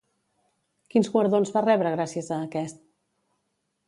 Quins guardons va rebre gràcies a aquest?